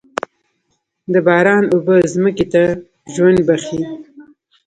د باران اوبه ځمکې ته ژوند بښي.